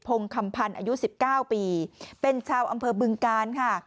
งคำพันธ์อายุ๑๙ปีเป็นชาวอำเภอบึงกาลค่ะ